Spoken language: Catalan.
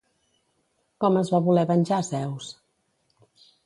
Com es va voler venjar Zeus?